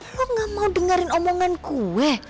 lo gak mau dengerin omongan gue